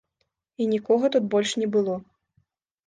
І нікога тут больш не было.